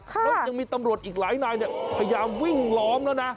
แล้วยังมีตำรวจอีกหลายนายเนี่ยพยายามวิ่งล้อมแล้วนะ